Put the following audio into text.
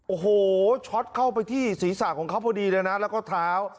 โอ้โหช็อตเข้าไปที่ศีรษะของเขาพอดีเลยนะแล้วก็เท้า